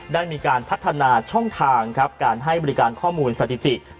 ได้มีการพัฒนาช่องทางครับการให้บริการข้อมูลสถิติ